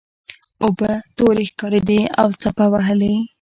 اوبه تورې ښکاریدې او څپه وهلې.